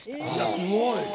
すごい。